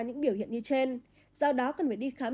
những biểu hiện như trên do đó cần phải đi khám